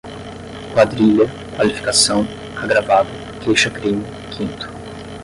quadrilha, qualificação, agravada, queixa-crime, quinto